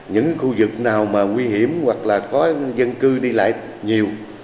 những khu vực nào mà nguy hiểm hoặc là có dân cư đi lại nhiều